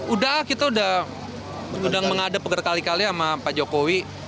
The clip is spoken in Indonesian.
udah kita udah menghadap peger kali kali sama pak jokowi